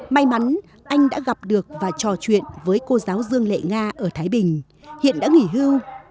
may mắn anh đã gặp được và trò chuyện với cô giáo dương lệ nga ở thái bình hiện đã nghỉ hưu